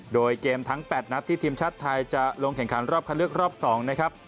โดยเกมทั้ง๘นัดที่ทีมชาติไทยจะลงแข่งขันรอบคันเลือกรอบ๒นะครับ